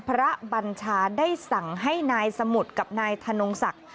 บัญชาได้สั่งให้นายสมุทรกับนายธนงศักดิ์